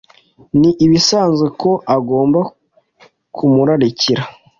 Ni ibisanzwe ko agomba kumurakarira